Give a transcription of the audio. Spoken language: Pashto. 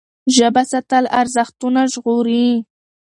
ژبه ساتل ارزښتونه ژغوري.